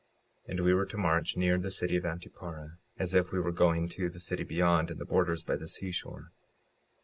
56:31 And we were to march near the city of Antiparah, as if we were going to the city beyond, in the borders by the seashore.